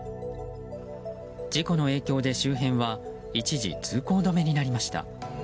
事故の影響で周辺は一時、通行止めになりました。